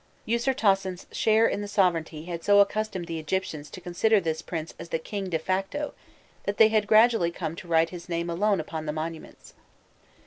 Usirfcasen's share in the sovereignty had so accustomed the Egyptians to consider this prince as the king de facto, that they had gradually come to write his name alone upon the monuments.